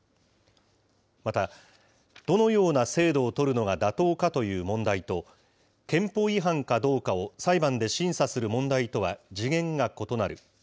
また、どのような制度を採るのが妥当かという問題と、憲法違反かどうかを裁判で審査する問題とは次元が異なる。